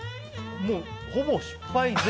ほぼ失敗。